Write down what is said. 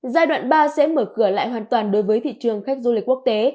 giai đoạn ba sẽ mở cửa lại hoàn toàn đối với thị trường khách du lịch quốc tế